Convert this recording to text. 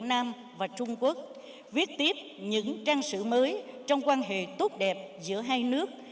nam và trung quốc viết tiếp những trang sử mới trong quan hệ tốt đẹp giữa hai nước